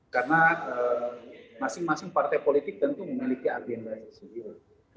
karena masing masing partai politik tentu memiliki agenda yang sendiri